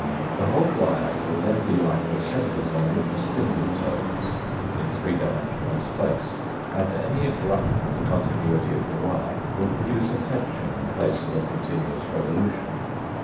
The whole wire will then be like the centres on which a spindle turns in three dimensional space, and any interruption of the continuity of the wire will produce a tension in place of a continuous revolution.